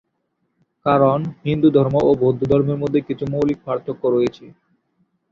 কারণ, হিন্দুধর্ম ও বৌদ্ধধর্মের মধ্যে কিছু মৌলিক পার্থক্য রয়েছে।